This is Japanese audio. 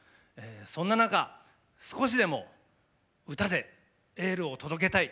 そんな中少しでも歌でエールを届けたい。